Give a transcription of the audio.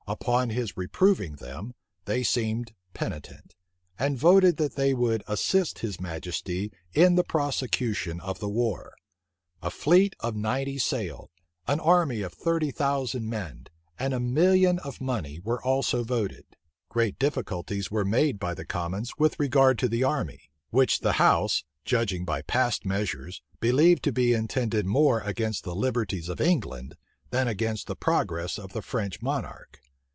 Upon his reproving them, they seemed penitent; and voted, that they would assist his majesty in the prosecution of the war. A fleet of ninety sail, an army of thirty thousand men, and a million of money were also voted. Great difficulties were made by the commons with regard to the army, which the house, judging by past measures, believed to be intended more against the liberties of England than against the progress of the French monarch.